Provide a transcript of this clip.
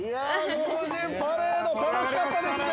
ご夫人、パレード楽しかったですね！